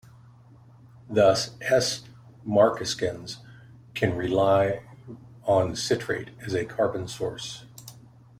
Thus, "S. marcescens" can rely on citrate as a carbon source.